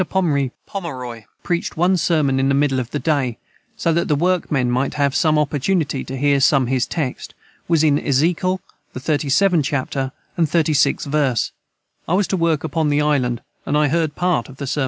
Pomry preachd one sermon in the middle of the day so that the work men might Have som opportunity to hear som his text was in Ezekiel the 37 Chapter & 36 verce I was to work upon the Island & I heard part of the sermon.